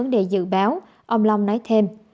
dự báo ông long nói thêm